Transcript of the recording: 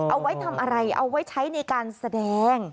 เอาไว้ทำอะไรเอาไว้ใช้ในการแสดง